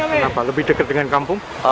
kenapa lebih dekat dengan kampung